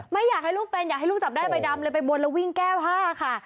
ไม่อยากให้ลูกเป็นอยากให้ลูกจับได้ใบดำเลยไปบนแล้ววิ่งแก้วห้าค่ะ